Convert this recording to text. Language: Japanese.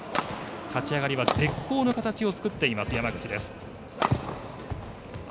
立ち上がり絶好の形を作っている山口です。